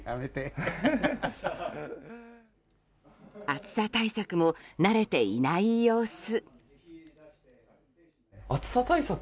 暑さ対策も慣れていない様子。